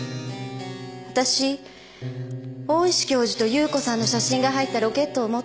わたし大石教授と夕子さんの写真が入ったロケットを持ってるんですけど。